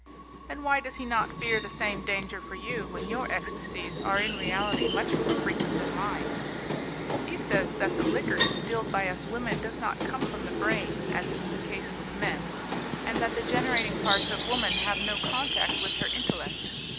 "And why does he not fear the same danger for you, when your ecstasies are in reality much more frequent than mine?" "He says that the liquor distilled by us women does not come from the brain, as is the case with men, and that the generating parts of woman have no contact with her intellect.